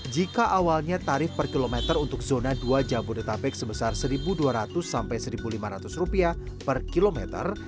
jika awalnya tarif per kilometer untuk zona dua jabodetabek sebesar rp satu dua ratus sampai rp satu lima ratus per kilometer